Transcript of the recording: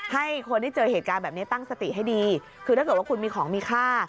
ให้คนที่เจอเหตุการณ์แบบนี้ตั้งสติให้ดีคือถ้าเกิดว่าคุณมีของมีค่า